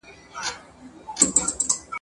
ښايي بیرته سي راپورته او لا پیل کړي سفرونه ,